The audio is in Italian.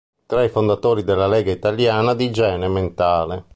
Fu tra i fondatori della Lega italiana di igiene mentale.